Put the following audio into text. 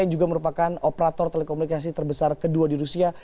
yang juga merupakan operator telekomunikasi terbesar kedua di rusia